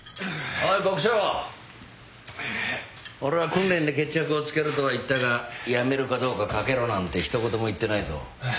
俺は訓練で決着をつけろとは言ったが辞めるかどうか賭けろなんて一言も言ってないぞ。